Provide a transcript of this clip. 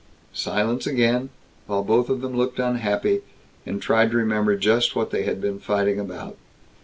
Silence again, while both of them looked unhappy, and tried to remember just what they had been fighting about.